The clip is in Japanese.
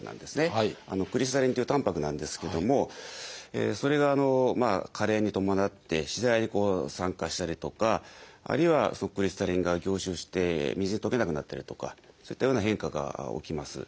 クリスタリンというたんぱくなんですけどもそれが加齢に伴って次第に酸化したりとかあるいはクリスタリンが凝集して水に溶けなくなったりとかそういったような変化が起きます。